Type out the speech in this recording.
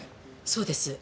そうです。